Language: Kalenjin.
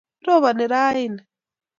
roponi raini